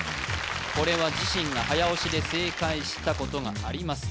これは自身が早押しで正解したことがあります